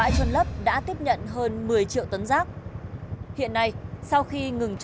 từ rác nhựa cứng như